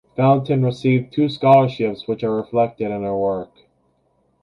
Fountain received two scholarships which are reflected in her work.